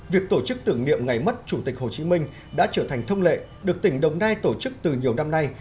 việc tổ chức tưởng niệm ngày mất chủ tịch hồ chí minh đã trở thành thông lệ được tỉnh đồng nai tổ chức từ nhiều năm nay